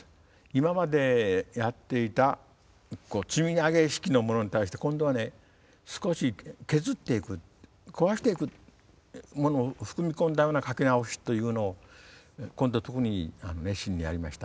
今までやっていた積み上げ式のものに対して今度はね少し削っていく壊していくものを含み込んだような書き直しというのを今度特に熱心にやりました。